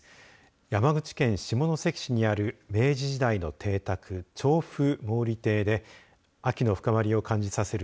山口県下関市にある明治時代の邸宅、長府毛利邸で秋の深まりを感じさせる